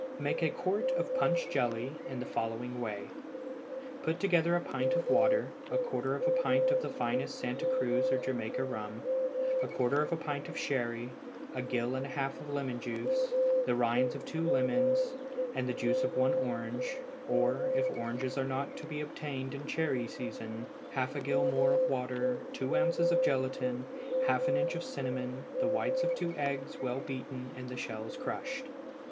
Make a quart of punch jelly in the following way: Put together a pint of water, a quarter of a pint of the finest Santa Cruz or Jamaica rum, a quarter of a pint of sherry, a gill and a half of lemon juice, the rinds of two lemons, and the juice of one orange, or, if oranges are not to be obtained in cherry season, half a gill more of water, two ounces of gelatine, half an inch of cinnamon, the whites of two eggs well beaten and the shells crushed.